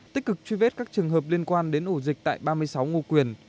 tích cực truy vết các trường hợp liên quan đến ủ dịch tại ba mươi sáu ngô quyền